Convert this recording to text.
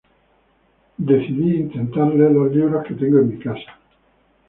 decidí intentar leer los libros que tengo en mi casa.